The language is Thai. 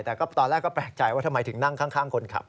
แต่ก็ตอนแรกก็แปลกใจว่าทำไมถึงนั่งข้างคนขับ